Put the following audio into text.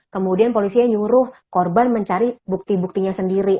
kemudian polisinya nyuruh korban mencari bukti buktinya sendiri